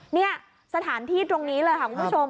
เนี่ยสถานที่ตรงนี้เลยค่ะคุณผู้ชม